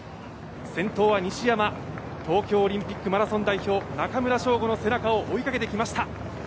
先頭は西山、東京パラリンピックマラソン代表中村匠吾の背中を追いかけてきました。